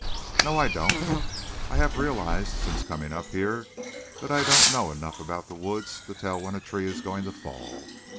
"No, I don't. I have realized, since coming up here, that I don't know enough about the woods to tell when a tree is going to fall.